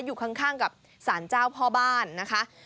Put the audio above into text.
อยู่ข้างกับสารเจ้าพ่อบ้านนะคะ